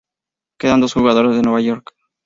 Quedan dos jugadores de Nueva York.